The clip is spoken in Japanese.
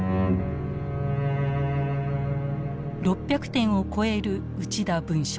６００点を超える「内田文書」。